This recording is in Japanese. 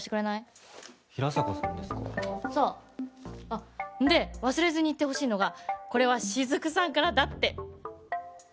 あっで忘れずに言ってほしいのがこれは雫さんからだって。